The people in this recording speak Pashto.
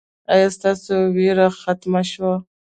ایا ستاسو ویره ختمه شوه؟